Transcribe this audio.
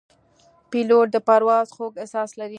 پیلوټ د پرواز خوږ احساس لري.